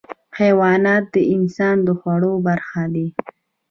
حیوانات د انسان د خوړو برخه دي.